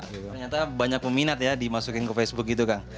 ternyata banyak peminat ya dimasukin ke facebook gitu kang